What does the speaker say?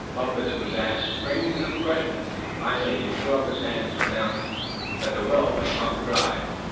Bumpus was asked strings of questions until finally he threw up his hands, to announce that the well was pumped dry.